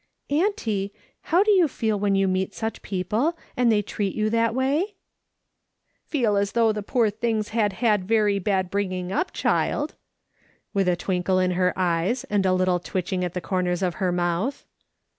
" Auntie, how do you feel when you meet such people, and they treat you that way ?"" Feel as though the poor things had had very bad « IFI/OM II A VE WE HERE ?' 75 bringing up, child/' with a twinkle in her eyes and a liltle twitchincr at the corners of her mouth.